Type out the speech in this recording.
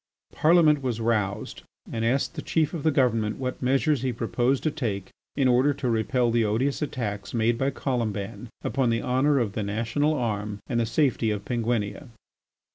Parliament was roused and asked the Chief of the Government what measures he proposed to take in order to repel the odious attacks made by Colomban upon the honour of the National Arm and the safety of Penguinia.